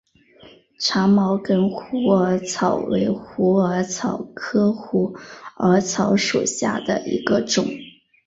长毛梗虎耳草为虎耳草科虎耳草属下的一个种。